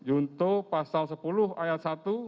junto pasal sepuluh ayat satu